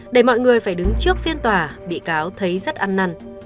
để mọi người phải đứng trước phiên tòa bị cáo thấy rất ăn năn